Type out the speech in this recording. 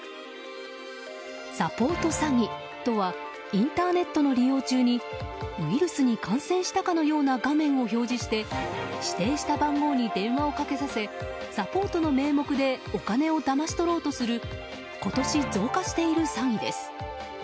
サポート詐欺とはインターネットの利用中にウイルスに感染したかのような画面を表示して指定した番号に電話をかけさせサポートの名目でお金をだまし取ろうとする今年、増加している詐欺です。